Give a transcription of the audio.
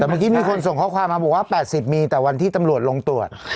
แต่เมื่อกี้มีคนส่งข้อความมาบอกว่า๘๐มีแต่วันที่ตำรวจลงตรวจ